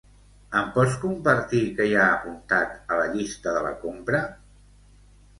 Em pots compartir què hi ha apuntat a la llista de la compra?